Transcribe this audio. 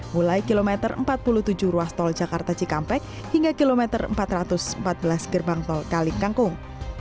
mulai kilometer empat puluh tujuh ruas tol jakarta cikampek hingga kilometer empat ratus empat belas gerbang tol kali kangkung